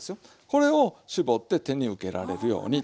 これを絞って手に受けられるように。